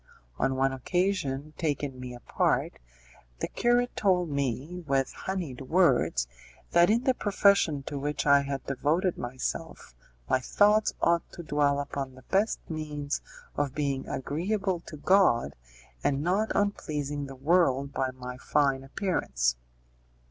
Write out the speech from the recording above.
On one occasion, taking me apart, the curate told me, with honeyed words, that in the profession to which I had devoted myself my thoughts ought to dwell upon the best means of being agreeable to God, and not on pleasing the world by my fine appearance.